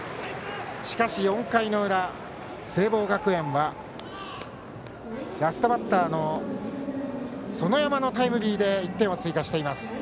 しかし４回の裏、聖望学園はラストバッターの園山のタイムリーで１点を追加しています。